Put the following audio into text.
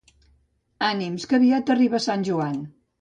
Ànims, que aviat arriba Sant Joan